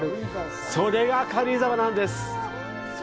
それが軽井沢なんです。